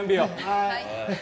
はい。